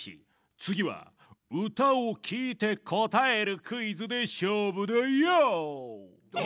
つぎはうたをきいてこたえるクイズでしょうぶだヨー！え？